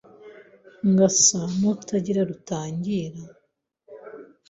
Ngasa nutagira rutangira?